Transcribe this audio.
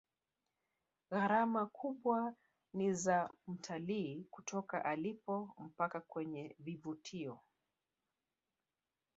gharama kubwa ni za mtalii kutoka alipo mpaka kwenye vivutio